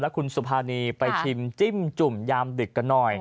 คุณสุภานีไปชิมจิ้มจุ่มยามดึกกันหน่อย